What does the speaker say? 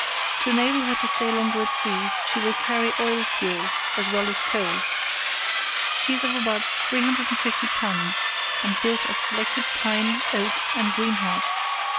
To enable her to stay longer at sea, she will carry oil fuel as well as coal. She is of about 350 tons, and built of selected pine, oak, and greenheart.